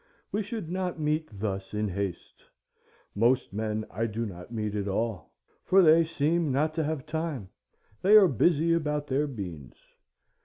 We should not meet thus in haste. Most men I do not meet at all, for they seem not to have time; they are busy about their beans.